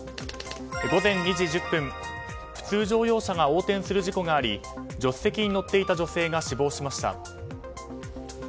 午前２時１０分普通乗用車が横転する事故があり助手席に乗っていた女性が死亡しました。